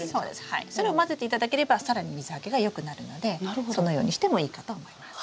それを混ぜていただければ更に水はけがよくなるのでそのようにしてもいいかと思います。